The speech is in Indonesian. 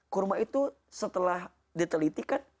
kurma itu setelah ditelitikan